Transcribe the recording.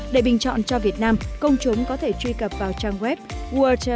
để bình chọn cho việt nam công chúng có thể truy cập vào các hạng mục phạm vi toàn cầu